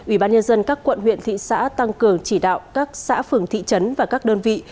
ubnd các quận huyện thị xã tăng cường chỉ đạo các xã phường thị trấn và các đơn vị